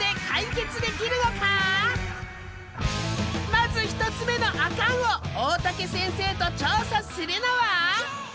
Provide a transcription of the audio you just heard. まず１つ目の「アカン」を大竹先生と調査するのは。